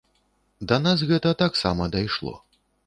Да нас гэта таксама дайшло.